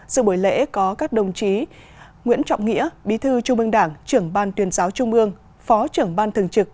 sự buổi lễ có các đồng chí nguyễn trọng nghĩa bí thư trung ương đảng trưởng ban tuyên giáo trung ương phó trưởng ban thường trực